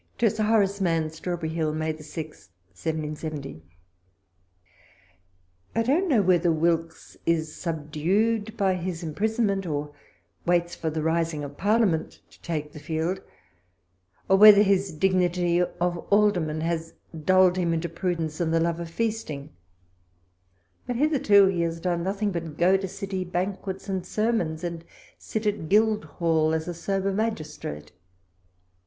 To Sir Horace Mann. Strawbcrnj Hill, May 6, 1770. I don't know whether Wilkes is subdued by his imprisonment, or waits for the rising of Parlia ment, to take the field ; or whether his dignity of Alderman has dulled him into prudence, and the love of feasting ; but hitherto he has done WALPOLE S LETTERS. 151 nothing but go to City banquets and sermons, and sit at Guildhall as a sober magistrate.